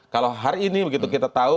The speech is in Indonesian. kalau hari ini begitu kita tahu